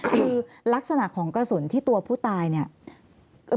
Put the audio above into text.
คือลักษณะของกระสุนที่ตัวผู้ตายเนี่ย